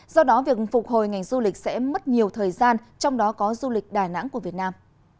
do đó việc phục hồi ngành du lịch sẽ mất nhiều thời gian trong đó có du lịch đà nẵng của việt nam